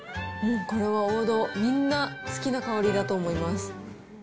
これは王道、みんな好きな香りだと思います。